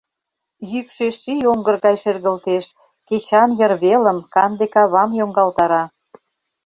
Йӱкшӧ ший оҥгыр гай шергылтеш, кечан йырвелым, канде кавам йоҥгалтара.